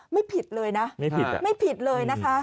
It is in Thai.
ไม่ผิดเลย